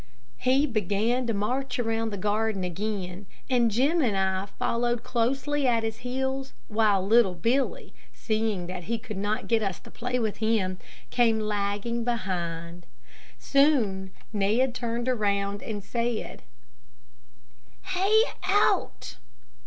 He began to march around the garden again, and Jim and I followed closely at his heels, while little Billy, seeing that he could not get us to play with him, came lagging behind. Soon Ned turned around and said, "Hie out!"